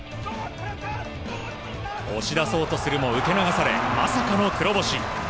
押し出そうとするも受け流されまさかの黒星。